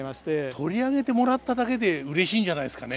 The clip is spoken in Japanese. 取り上げてもらっただけでうれしいんじゃないですかね